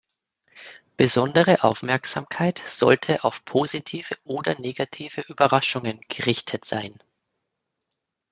Besondere Aufmerksamkeit sollte auf positive oder negative Überraschungen gerichtet sein.